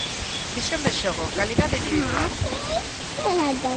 Visión de xogo, calidade invididual.